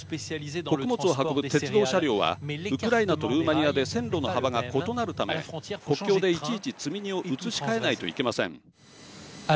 穀物を運ぶ鉄道車両はウクライナとルーマニアで線路の幅が異なるため国境で、いちいち積み荷を移し替えないといけません。